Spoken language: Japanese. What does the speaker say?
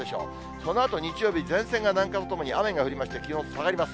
そのあと日曜日、前線が南下とともに雨が降りまして、気温下がります。